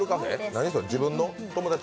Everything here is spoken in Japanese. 何それ、自分の友達？